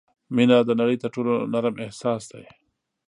• مینه د نړۍ تر ټولو نرم احساس دی.